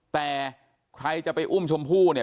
แต่ใครจะไปอุ้มชมพู่เนี่ย